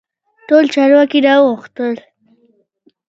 ټول چارواکي را وغوښتل.